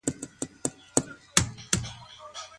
قدرت غصب کړی وو، چي دا عمل د اسلامي دین له